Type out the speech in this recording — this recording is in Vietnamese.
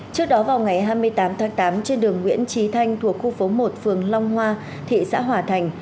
trước đó vào ngày hai mươi tám tháng tám trên đường nguyễn trí thanh thuộc khu phố một phường long hoa thị xã hòa thành